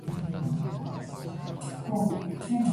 你真係好叻呀